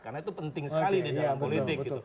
karena itu penting sekali di dalam politik